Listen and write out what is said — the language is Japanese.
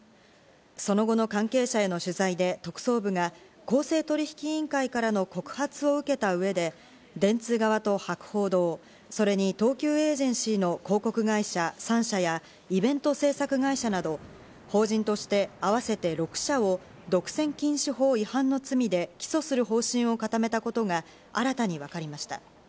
その後の関係者への取材で、特捜部が公正取引委員会からの告発を受けた上で、電通側と博報堂、それに東急エージェンシーの広告会社３社やイベント制作会社など、法人として合わせて６社を独占禁止法違反の罪で起訴する方針を固めたことが新たに分かりました。